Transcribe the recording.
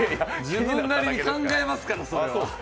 自分なりに考えますから、それは。